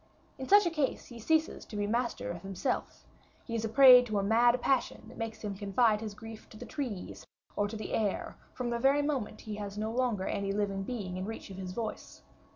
In such a case he ceases to be master of himself; he is a prey to a mad passion, that makes him confide his grief to the trees, or to the air, from the very moment he has no longer any living being in reach of his voice.